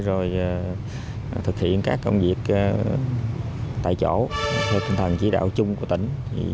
rồi thực hiện các công việc tại chỗ theo kinh tầng chỉ đạo chung của tỉnh